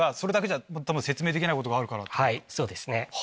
そうですね。